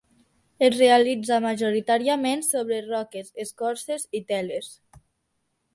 Es realitza majoritàriament sobre roques, escorces i teles.